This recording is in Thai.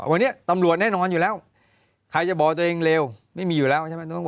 วันนี้ตำรวจแน่นอนอยู่แล้วใครจะบอกตัวเองเร็วไม่มีอยู่แล้วใช่ไหม